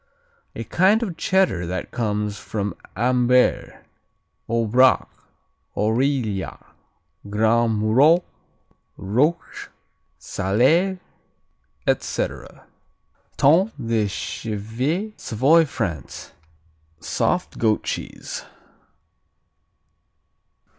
A kind of Cheddar that comes from Ambert, Aubrac, Aurillac, Grand Murol, Rôche, Salers, etc. Tome de Chèvre Savoy, France Soft goat cheese.